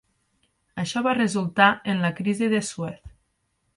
Això va resultar en la Crisi de Suez.